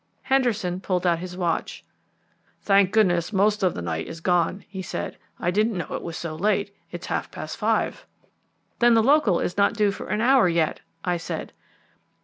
Henderson pulled out his watch. "Thank goodness, most of the night is gone," he said; "I didn't know it was so late, it is half past five." "Then the local is not due for an hour yet?" I said.